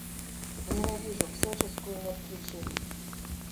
Ненавижу всяческую мертвечину!